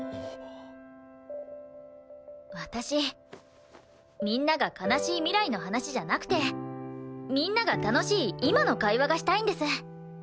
私みんなが悲しい未来の話じゃなくてみんなが楽しい今の会話がしたいんです。